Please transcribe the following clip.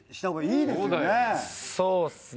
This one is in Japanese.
そうですね